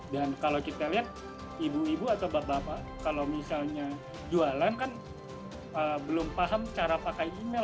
dan kalau kita lihat ibu ibu atau bapak bapak kalau misalnya jualan kan belum paham cara pakai ini